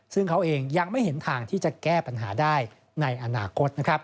ซึ่งเขาเองยังไม่เห็นทางที่จะแก้ปัญหาได้ในอนาคตนะครับ